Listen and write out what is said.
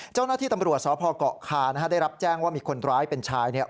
เจ้าหน้าที่ตำรวจสพเกาะคานะฮะได้รับแจ้งว่ามีคนร้ายเป็นชายเนี่ย